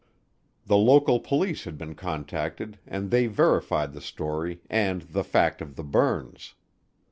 The local police had been contacted and they verified the story and the fact of the burns.